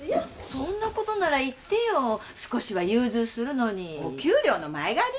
そんなことなら言ってよ少しは融通するのにお給料の前借り？